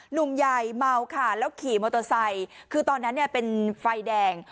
หนุ่มใหญ่เมาค่ะแล้วขี่มอเตอร์ไซค์คือตอนนั้นเนี่ยเป็นไฟแดง